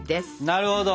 なるほど。